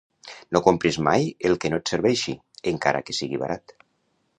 No compris mai el que no et serveixi, encara que sigui barat.